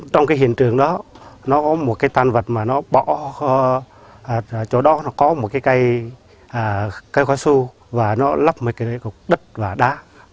trong cái hiện trường đó nó có một cái tan vật mà nó bỏ chỗ đó nó có một cái cây cao su và nó lắp một cái cục đất và đá